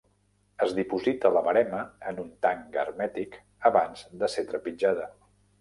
Es diposita la verema en un tanc hermètic abans de ser trepitjada.